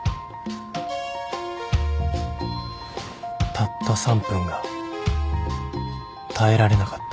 たった３分が耐えられなかった